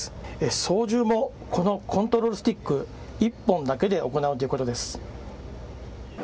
操縦もこのコントロールスティック１本だけで行うということです。